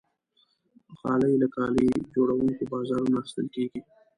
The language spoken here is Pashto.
غالۍ له کالي جوړونکي بازارونو اخیستل کېږي.